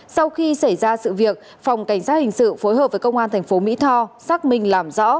sau khi xảy ra sự việc phòng cảnh sát hình sự phối hợp với công an thành phố mỹ tho xác minh làm rõ